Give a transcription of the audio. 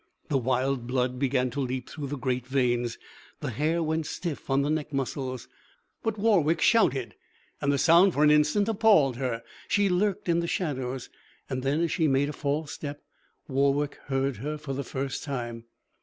The wild blood began to leap through the great veins. The hair went stiff on the neck muscles. But Warwick shouted; and the sound for an instant appalled her. She lurked in the shadows. And then, as she made a false step, Warwick heard her for the first time.